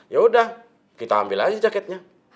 yaudah kita ambil aja jaketnya